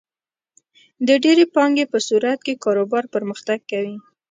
د ډېرې پانګې په صورت کې کاروبار پرمختګ کوي.